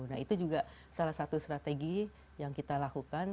nah itu juga salah satu strategi yang kita lakukan